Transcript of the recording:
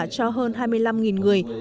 cho hơn hai mươi năm người